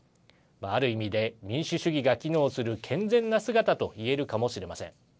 ある意味で、民主主義が機能する健全な姿といえるかもしれません。